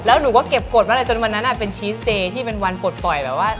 แล้วหนูก็เก็บกฎมาเลยจนวันนั้นเป็นชีสเตย์ที่เป็นวันปลดปล่อยแบบว่า